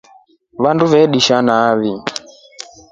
Vandu validisha nai.